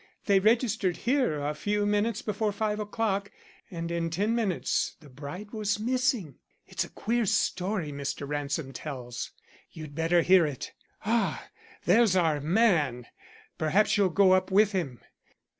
They registered here a few minutes before five o'clock and in ten minutes the bride was missing. It's a queer story Mr. Ransom tells. You'd better hear it. Ah, there's our man! Perhaps you'll go up with him."